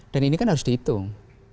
dan ini kan harus dihitung